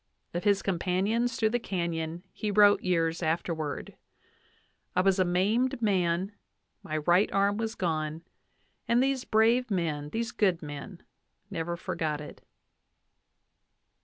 Of his companions through the canyon he wrote years afterward: "I was a maimed man; my right arm was gone, and these brave men, these good men, never for got it."